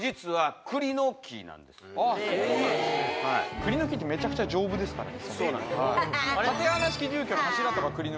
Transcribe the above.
栗の木ってめちゃくちゃ丈夫ですからね。